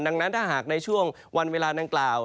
ดังนั้นถ้าหากในช่วงวันเวลาดังกล่าว